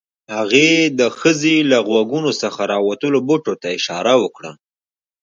هغې د ښځې له غوږونو څخه راوتلو بوټو ته اشاره وکړه